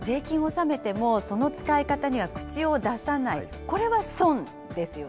納めても、その使い方には口を出さない、これは損ですよ